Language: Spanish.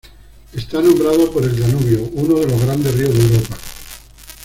Está nombrado por el Danubio, uno de los grandes ríos de Europa.